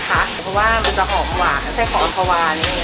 เพราะว่ามันจะหอมหวานใช้ของอัพวาเนี้ยนะคะ